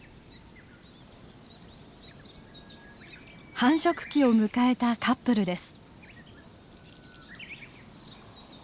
繁殖期を迎えたカップルです。